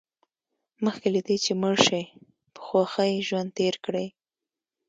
مخکې له دې چې مړ شئ په خوښۍ ژوند تېر کړئ.